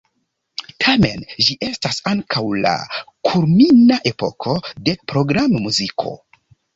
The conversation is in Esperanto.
Tamen ĝi estas ankaŭ la kulmina epoko de programmuziko.